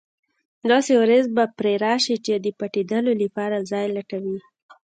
داسې ورځې به پرې راشي چې د پټېدلو لپاره ځای لټوي.